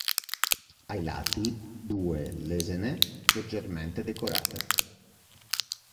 Ai lati, due lesene leggermente decorate.